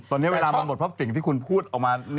ตอนนี้เวลามันหมดเพราะสิ่งที่คุณพูดออกมา